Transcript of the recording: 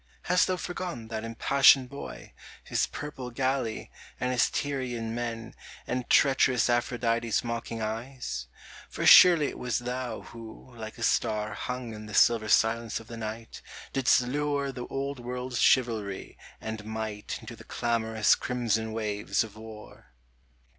Hast thou forgotten that impassioned boy, His purple galley, and his Tyrian men, And treacherous Aphrodite's mocking eyes? For surely it was thou, who, like a star Hung in the silver silence of the night, Didst lure the Old World's chivalry and might Into the clamorous crimson waves of war